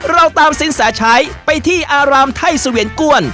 เราตามสินแสชัยไปที่อารามไทยเสวียนก้วน